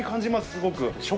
すごく。